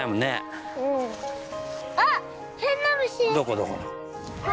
あっ！